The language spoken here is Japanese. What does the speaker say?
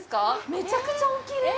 めちゃくちゃおきれい。